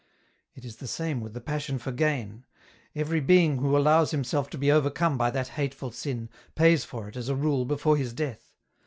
" It is the same with the passion for gain. Every being who allows himself to be overcome by that hateful sin, pays for it as a rule before his death.